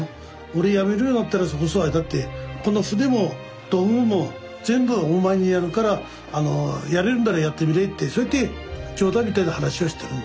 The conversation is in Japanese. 俺辞めるようなったらそれこそあれだってこの船も道具も全部お前にやるからやれるんだらやってみれってそうやって冗談みたいな話はしてるの。